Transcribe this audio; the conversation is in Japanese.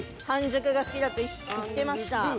半熟が好きだと言ってました。